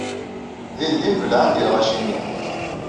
Dindin belɛen deg lɣaci-nni.